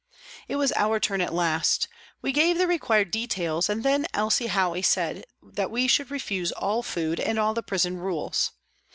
It was our turn at last. We gave the required details, and then Elsie Howey said that we should refuse all food and all the prison rules.